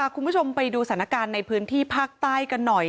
คุณผู้ชมไปดูสถานการณ์ในพื้นที่ภาคใต้กันหน่อย